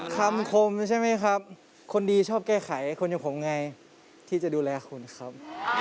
คมใช่ไหมครับคนดีชอบแก้ไขคนอย่างผมไงที่จะดูแลคุณครับ